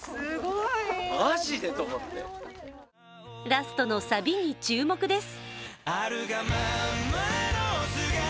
ラストのサビに注目です。